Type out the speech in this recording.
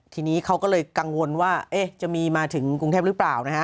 ทีนี้เขาก็เลยกังวลว่าจะมีมาถึงกรุงเทพหรือเปล่านะฮะ